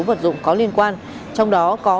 vật dụng có liên quan trong đó có